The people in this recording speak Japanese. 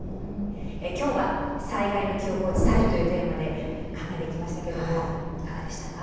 今日は「災害の記憶を伝える」というテーマで考えてきましたけどもいかがでしたか？